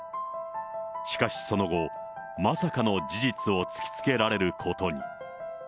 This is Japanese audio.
しかしその後、まさかの事実を突きつけられることに。